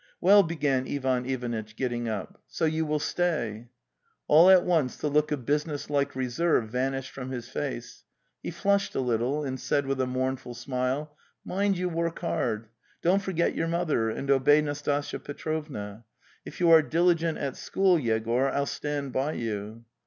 "Well," began Ivan Ivanitch, getting up, "so you WML Stayey is Soc) All at once the look of business like reserve van ished from his face; he flushed a little and said with a mournful smile: '* Mind you work hard. ... Don't forget your mother, and obey Nastasya Petrovna... . If you are diligent at school, Yegor, [ll stand by you."